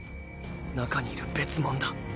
中にいる別物だ。